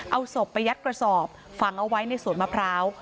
เอาศพไปยัดกระสอบฝังเอาไว้ในสวนมะพร้าว